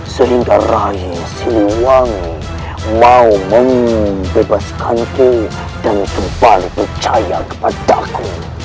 sehingga raih siliwangi mau membebaskanku dan kembali percaya kepadaku